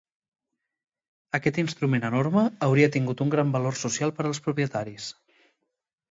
Aquest instrument enorme hauria tingut un gran valor social per als propietaris.